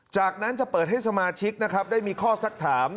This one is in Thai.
จากนั้นจะเปิดให้สมาชิกนะครับได้มีข้อสักถาม